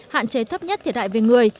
hạn chế thấp nhất thiệt hại về người